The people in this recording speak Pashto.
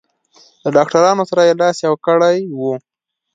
له ډاکټرانو سره یې لاس یو کړی و.